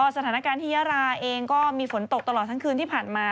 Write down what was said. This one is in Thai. สถานการณ์ที่ยาราเองก็มีฝนตกตลอดทั้งคืนที่ผ่านมา